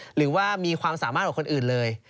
หรือว่ามีความสามารถกว่าคนอื่นเลย